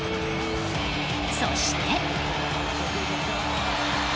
そして。